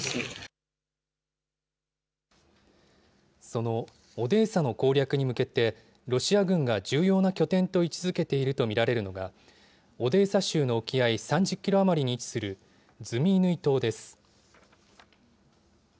そのオデーサの攻略に向けて、ロシア軍が重要な拠点と位置づけていると見られるのが、オデーサ州の沖合３０キロ余りに位置するズミイヌイ島です。